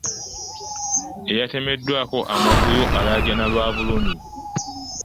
Eyatemeddwaako amagulu alajaana lwa bulumi.